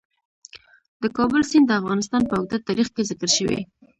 د کابل سیند د افغانستان په اوږده تاریخ کې ذکر شوی.